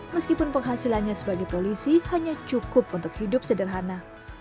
meskipun penghasilannya sebagai polisi hanya cukup untuk hidup sederhana